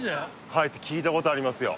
はい聞いたことありますよ